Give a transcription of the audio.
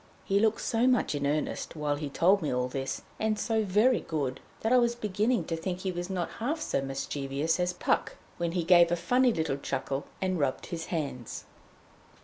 He looked so much in earnest while he told me all this, and so very good, that I was beginning to think he was not half so mischievous as Puck, when he gave a funny little chuckle, and rubbed his hands.